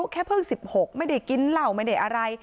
แค่เพิ่ง๑๖ไม่ได้กินเหล้าไม่ได้อะไร